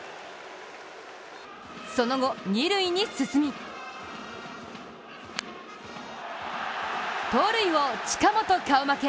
その後、二塁に進み盗塁王・近本顔負け